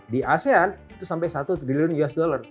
di asean itu sampai satu triliun usd